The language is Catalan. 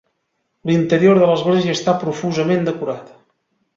L'interior de l'església està profusament decorat.